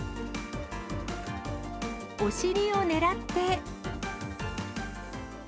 お尻を狙って。